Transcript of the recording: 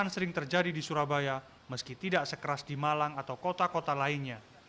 sering terjadi di surabaya meski tidak sekeras di malang atau kota kota lainnya